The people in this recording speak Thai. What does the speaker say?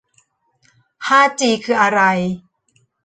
ห้าจีคืออะไร